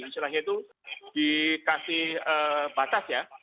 istilahnya itu dikasih batas ya